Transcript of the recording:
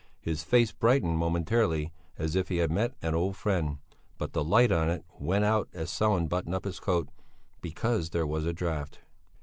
His face brightened momentarily as if he had met an old friend; but the light on it went out as Sellén buttoned up his coat "because there was a draught."